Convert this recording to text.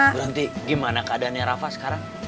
ibu ranti gimana keadaannya rafa sekarang